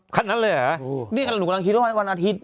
ครั้งนั้นเลยเหรออุ้วนี่ก็ว่าลุงกำลังคิดเราก่อนนานอาทิตย์